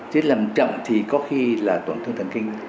chết làm chậm thì có khi là tổn thương thần kinh